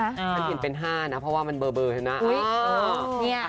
ฉันเห็นเป็น๕นะเพราะว่ามันเบอร์ใช่ไหม